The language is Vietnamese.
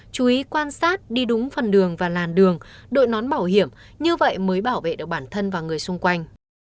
chú ý quan sát đi đúng phần đường và làn đường đội nón bảo hiểm như vậy mới bảo vệ được bản thân và người xung quanh